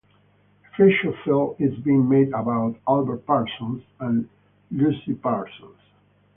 A feature film is being made about Albert Parsons and Lucy Parsons.